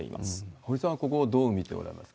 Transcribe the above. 堀さんはここをどう見ておられますか？